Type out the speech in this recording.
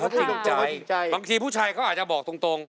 บางทีผู้ชายเขาอาจจะบอกตรง